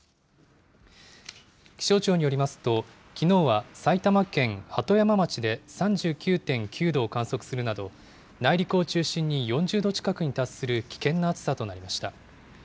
気象庁によりますと、きのうは埼玉県鳩山町で３９．９度を観測するなど、内陸を中心に４０度近くに達する危険な暑さとなりました。